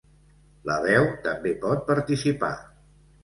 La veu també pot participar.